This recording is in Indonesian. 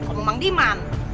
kau memang diman